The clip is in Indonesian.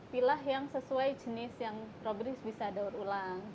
pilah yang sesuai jenis yang robriz bisa daur ulang